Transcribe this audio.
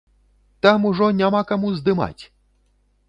Там ужо няма каму здымаць!